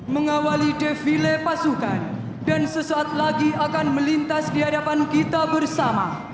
mengawali defile pasukan dan sesaat lagi akan melintas di hadapan kita bersama